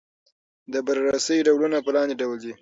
د بررسۍ ډولونه په لاندې ډول دي.